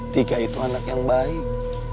tiga itu anak yang baik